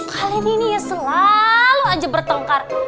kalian ini selalu aja bertengkar